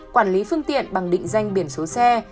quản lý phương tiện bằng định danh biển số xe